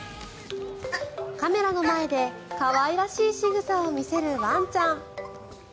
カメラの前で可愛らしいしぐさを見せるワンちゃん。